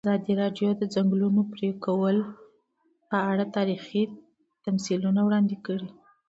ازادي راډیو د د ځنګلونو پرېکول په اړه تاریخي تمثیلونه وړاندې کړي.